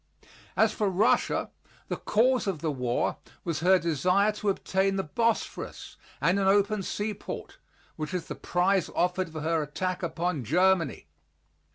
As for Russia, the cause of the war was her desire to obtain the Bosphorus and an open seaport, which is the prize offered for her attack upon Germany.